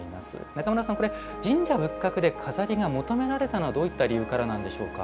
中村さんこれ神社仏閣で錺が求められたのはどういった理由からなんでしょうか？